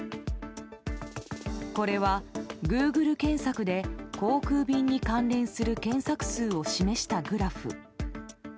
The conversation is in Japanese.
これはグーグル検索で航空便に関連する検索数を示したグラフ。